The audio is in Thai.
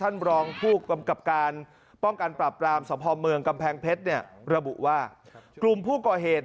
รองผู้กำกับการป้องกันปราบปรามสมภาพเมืองกำแพงเพชรเนี่ยระบุว่ากลุ่มผู้ก่อเหตุ